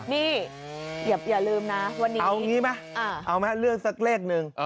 นี่อย่าลืมนะวันนี้เอางี้ไหมเอาไหมเลือกสักเลขหนึ่ง